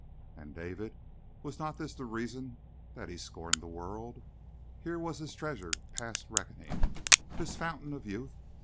And David? Was not this the reason that he scorned the world? Here was his treasure past reckoning, this fountain of youth.